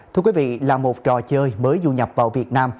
thưa quý vị là một trò chơi mới du nhập vào việt nam